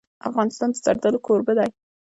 افغانستان د زردالو کوربه دی.